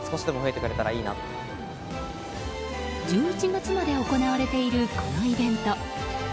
１１月まで行われているこのイベント。